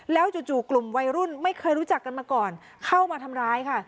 แล้วจู่กลุ่มวัยรุ่นไม่เคยรู้จักกันมาก่อนเข้ามาทำร้ายค่ะ